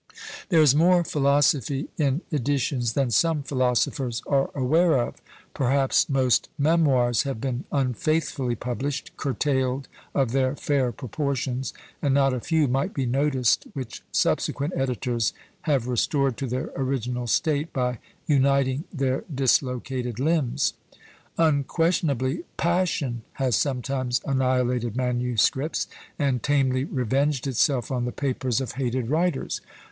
There is more philosophy in editions than some philosophers are aware of. Perhaps most "Memoirs" have been unfaithfully published, "curtailed of their fair proportions;" and not a few might be noticed which subsequent editors have restored to their original state, by uniting their dislocated limbs. Unquestionably Passion has sometimes annihilated manuscripts, and tamely revenged itself on the papers of hated writers!